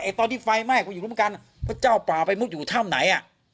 ตอนที่ไฟไหม้ก็อยู่รู้เหมือนกันว่าเจ้าป่าไปมุดอยู่ถ้ำไหนอ่ะ